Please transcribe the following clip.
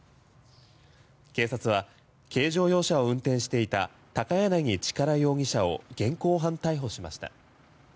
警察は軽乗用車を運転していた高柳力容疑者を現行犯逮捕しました。